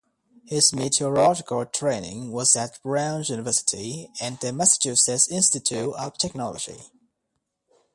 His meteorological training was at Brown University and the Massachusetts Institute of Technology.